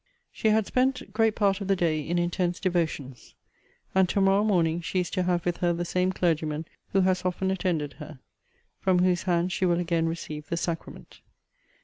She had spent great part of the day in intense devotions; and to morrow morning she is to have with her the same clergyman who has often attended her; from whose hands she will again receive the sacrament.